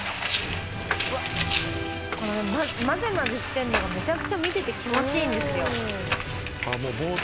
この混ぜ混ぜしてんのがめちゃくちゃ見てて気持ちいいんですよ。